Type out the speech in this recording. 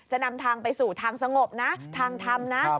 จะนำทางไปสู่ทางสงบนะทางธรรมนะ